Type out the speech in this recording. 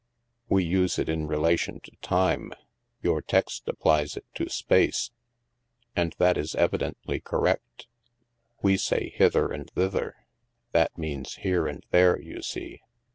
We use it in relation to time ; your text applies it to space; and that is evidently correct. We say * hither and thither '; that means * here and there,' you see.